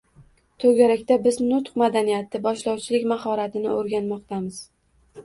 To‘garakda biz nutq madaniyati, boshlovchilik mahoratini o‘rganmoqdamiz